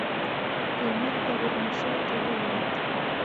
لمر د غرونو شا ته ولوېد